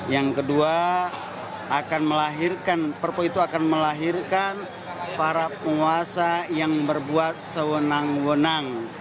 yang kedua akan melahirkan para penguasa yang berbuat sewenang wenang